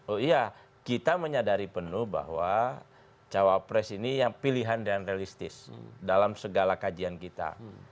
oh iya kita menyadari penuh bahwa cawapres ini yang pilihan dan realistis dalam segala kajian kita